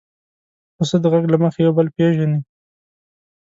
پسه د غږ له مخې یو بل پېژني.